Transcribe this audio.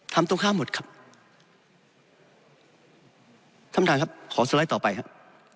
ทำต้องฆ่าหมดครับทำด่านครับขอสไลด์ต่อไปครับ